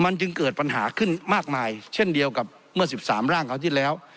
มันจึงเกิดปัญหาขึ้นมากมายเช่นเดียวกับเมื่อ๑๓ร่างเขาที่แล้ว